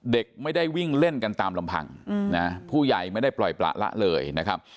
เด็กไม่ได้วิ่งเล่นกันตามลำพังนะผู้ใหญ่ไม่ได้ปล่อยประละเลยนะครับ